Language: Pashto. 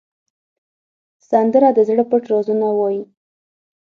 سندره د زړه پټ رازونه وایي